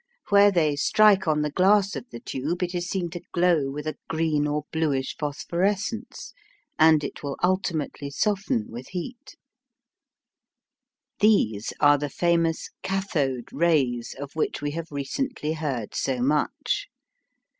Where they strike on the glass of the tube it is seen to glow with a green or bluish phosphorescence, and it will ultimately soften with heat. These are the famous "cathode rays" of which we have recently heard so much.